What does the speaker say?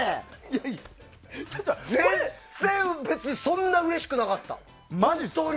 全然、別にそんなにうれしくなかった。